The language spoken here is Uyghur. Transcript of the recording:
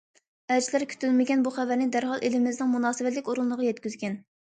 ئەلچىلەر كۈتۈلمىگەن بۇ خەۋەرنى دەرھال ئېلىمىزنىڭ مۇناسىۋەتلىك ئورۇنلىرىغا يەتكۈزگەن.